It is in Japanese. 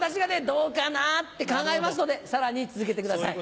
「どうかな」って考えますのでさらに続けてください。